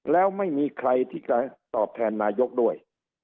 แล้วไม่มีใครที่จะตอบแทนนายกด้วย